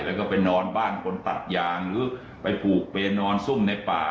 แล้วก็ไปนอนบ้านคนตัดยางหรือไปผูกไปนอนซุ่มในป่า